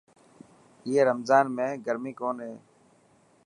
اي رمضان ۾ گرمي ڪون هي.